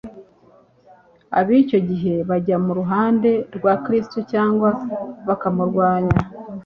ab'icyo gihe bajya mu ruhande rwa Kristo cyangwa bakamurwanya.